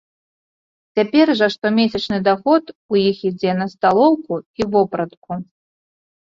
Цяпер жа штомесячны даход у іх ідзе на сталоўку і вопратку.